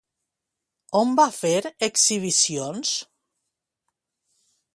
On va fer exhibicions?